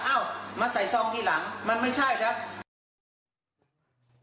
เอ้ามาใส่ซองที่หลังมันไม่ใช่นะ